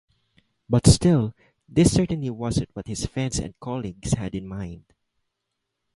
But still - this certainly wasn't what his friends and colleagues had in mind.